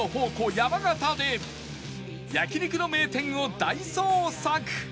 山形で焼肉の名店を大捜索